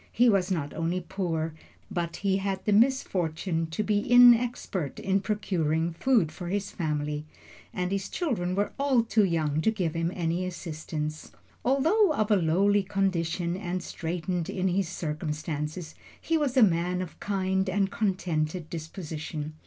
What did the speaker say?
He was not only poor, but he had the misfortune to be inexpert in procuring food for his family, and his children were all too young to give him any assistance. Although of a lowly condition and straitened in his circumstances, he was a man of kind and contented disposition.